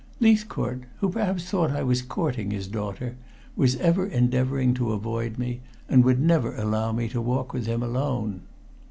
Leithcourt, who perhaps thought I was courting his daughter, was ever endeavoring to avoid me, and would never allow me to walk with him alone.